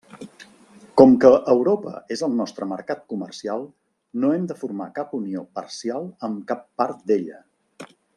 Com que Europa és el nostre mercat comercial, no hem de formar cap unió parcial amb cap part d'ella.